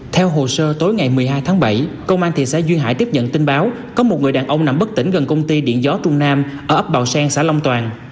theo hồ sơ tối ngày một mươi hai tháng bảy công an thị xã duyên hải tiếp nhận tin báo có một người đàn ông nằm bất tỉnh gần công ty điện gió trung nam ở ấp bào sen xã long toàn